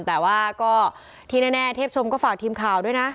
แต่ว่าก็ที่แน่เทพชมก็ฝากทีมข่าวด้วยนะ